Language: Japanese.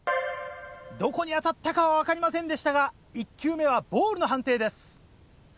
どこに当たったかは分かりませんでしたが１球目はボールの判定です。